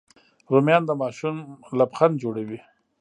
رومیان د ماشوم لبخند جوړوي